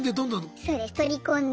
そうです取り込んで。